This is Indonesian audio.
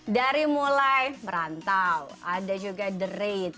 dari mulai merantau ada juga the raid